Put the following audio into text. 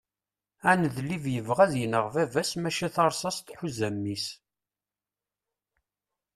aneḍlib yebɣa ad ineɣ baba-s maca tarsast tḥuz mmi-s